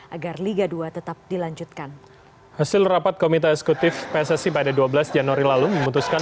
agar liga dua tetap dilanjutkan hasil rapat komite eksekutif pssi pada dua belas januari lalu memutuskan